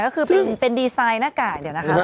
ก็คือเป็นดีไซน์หน้ากากเดี๋ยวนะคะ